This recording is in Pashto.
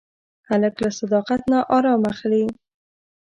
هلک له صداقت نه ارام اخلي.